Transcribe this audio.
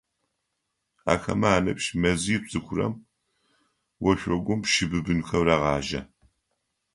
Ахэмэ аныбжь мэзитӏу зыхъурэм, ошъогум щыбыбынхэу рагъажьэ.